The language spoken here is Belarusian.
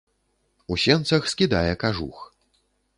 У сенцах скідае кажух.